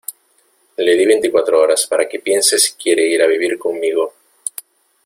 le di veinticuatro horas para que piense si quiere ir a vivir conmigo.